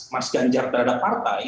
mas ganjar terhadap partai